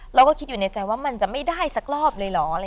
เราก็คิดอยู่ในใจว่ามันจะไม่ได้สักรอบเลยเหรอ